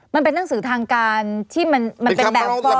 มันเป็นหนังสือทางการที่มันเป็นแบบความ